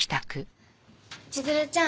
千鶴ちゃん